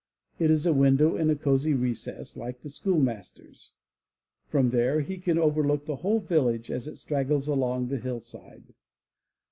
It is a window in a cozy recess like the schoolmaster's.. From there he can overlook the whole village as it straggles along the hillside.